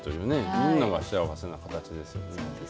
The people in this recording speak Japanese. みんなが幸せな形ですね。